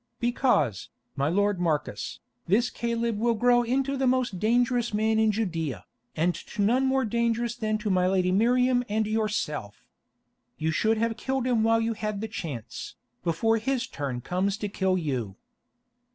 "Because, my lord Marcus, this Caleb will grow into the most dangerous man in Judæa, and to none more dangerous than to my lady Miriam and yourself. You should have killed him while you had the chance, before his turn comes to kill you."